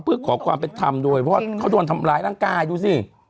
เพื่อขอความเป็นธรรมด้วยเพราะว่าเขาโดนทำร้ายร่างกายดูสิ